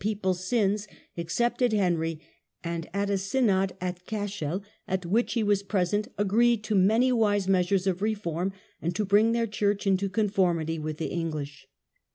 ^j^g people's sins, accepted Henry, and in a Synod at Cashel, at which he was present, agreed to many wise measures of reform, and to bring their church into conformity with the English.